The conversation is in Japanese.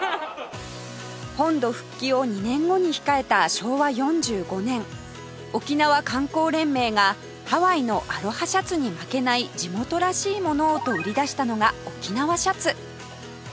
本土復帰を２年後に控えた昭和４５年沖縄観光連盟がハワイのアロハシャツに負けない地元らしいものをと売り出したのが沖縄シャツ